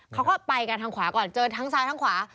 เขาก็ไปกันทางขวาก่อนเจอทั้งซ้ายทั้งขวา